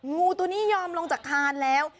งูตัวนี้ยอมลงจากคานแล้ว